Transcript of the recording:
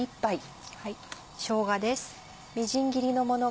しょうがです。